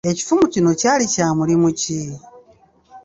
Ekifumu kino kyali kya mulimu ki?